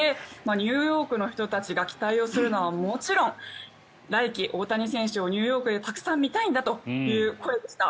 ニューヨークの人たちが期待をするのはもちろん来季大谷選手をニューヨークでたくさん見たいんだという声でした。